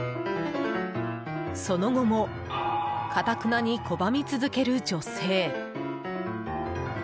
その後も頑なに拒み続ける女性。